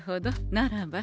ならば。